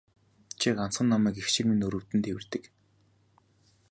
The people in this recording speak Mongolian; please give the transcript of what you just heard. Чи ганцхан намайг эх шиг минь өрөвдөн тэвэрдэг.